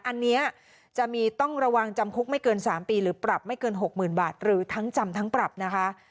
อันนี้จะมีต้องระวังจำคุกไม่เกิน๓ปีหรือปรับไม่เกิน๖๐๐๐บาทหรือทั้งจำทั้งปรับนะคะ